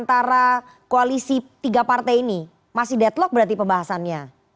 karena koalisi tiga partai ini masih deadlock berarti pembahasannya